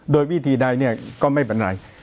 โดยวิธีใดเนี่ยก็ไม่เป็นไร